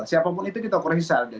siapapun itu kita koreksi secara adil